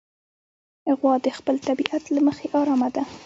غوا د خپل طبیعت له مخې ارامه ده.